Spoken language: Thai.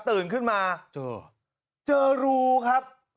ตื่นขึ้นมาเจอเจอรูครับ